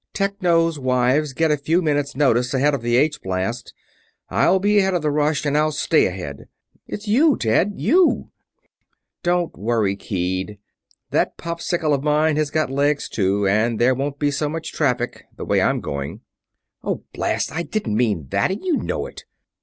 "Technos' wives get a few minutes' notice ahead of the H blast I'll be ahead of the rush and I'll stay ahead. It's you, Ted you!" "Don't worry, keed. That popcycle of mine has got legs, too, and there won't be so much traffic, the way I'm going." "Oh, blast! I didn't mean that, and you know it!"